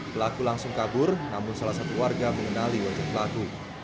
pelaku langsung kabur namun salah satu warga mengenali wajah pelaku